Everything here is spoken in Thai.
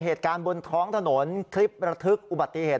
เหตุการณ์บนท้องถนนคลิประทึกอุบัติเหตุ